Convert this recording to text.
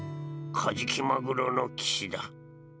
カジキマグロの騎士だ